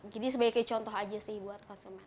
jadi sebagai contoh aja sih buat konsumen